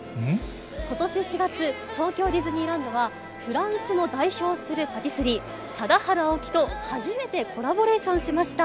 ことし４月、東京ディズニーランドは、フランスを代表するパティスリー、サダハルアオキと初めてコラボレーションしました。